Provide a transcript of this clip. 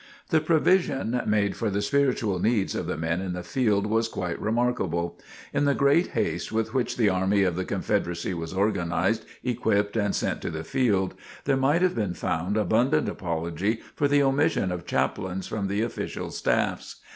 The provision made for the spiritual needs of the men in the field was quite remarkable. In the great haste with which the Army of the Confederacy was organized, equipped and sent to the field, there might have been found abundant apology for the omission of chaplains from the official staffs.